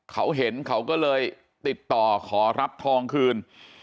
เขาเห็นเขาก็เลยติดต่อขอรับทองคืน